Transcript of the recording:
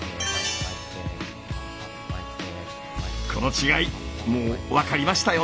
この違いもう分かりましたよね！